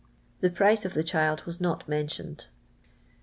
Tlje j>ricj. of the child was not mentioned.